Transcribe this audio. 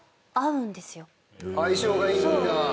相性がいいんだ。